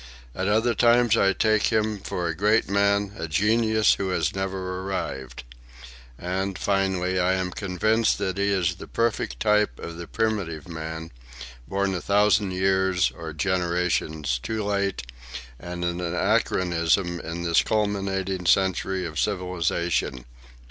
At other times I take him for a great man, a genius who has never arrived. And, finally, I am convinced that he is the perfect type of the primitive man, born a thousand years or generations too late and an anachronism in this culminating century of civilization.